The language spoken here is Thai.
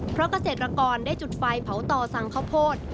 เพราะเกษตรกรได้จุดไฟเผาต่อสั่งข้าวโพด